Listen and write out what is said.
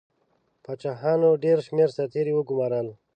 پاچاهانو ډېر شمېر سرتیري وګمارل.